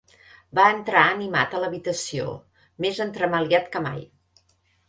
Va entrar animat a l'habitació, més entremaliat que mai.